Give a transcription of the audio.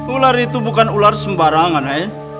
ular itu bukan ular sembarangan